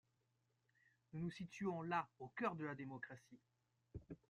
Nous nous situons là au cœur de la démocratie.